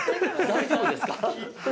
大丈夫ですか。